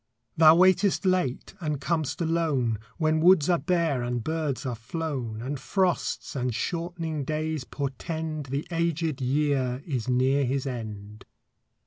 Thou waitest late and com'st alone, When woods are bare and birds are flown, And frosts and shortening days portend The aged year is near his end.